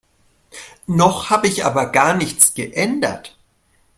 Noch habe ich aber gar nichts geändert.